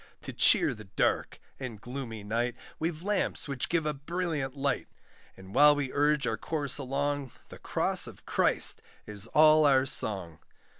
To cheer the dark and gloomy night, We've lamps which give a brilliant light, And while we urge our course along, The cross of Christ is all our song.